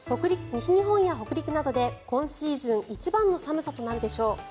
西日本や北陸などで今シーズン一番の寒さとなるでしょう。